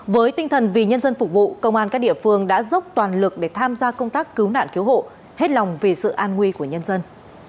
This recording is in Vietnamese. với tinh thần vì nhân dân phục vụ công an các địa phương đã dốc toàn lực để tham gia công tác cứu nạn cứu hộ hết lòng vì sự an nguy của nhân dân